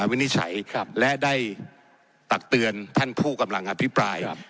วินิจฉัยและได้ตักเตือนท่านผู้กำลังอภิปราย